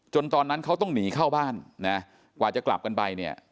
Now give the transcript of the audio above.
ตอนนั้นเขาต้องหนีเข้าบ้านนะกว่าจะกลับกันไปเนี่ย